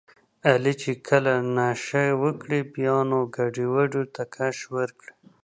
علي چې کله نشه وکړي بیا نو ګډوډو ته کش ورکړي.